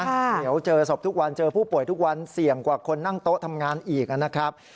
เดี๋ยวเจอศพทุกวันเจอผู้ป่วยทุกวันเสี่ยงกว่าคนนั่งโต๊ะทำงานอีกนะครับ